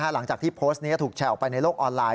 หลังจากที่โพสต์นี้ถูกแชร์ออกไปในโลกออนไลน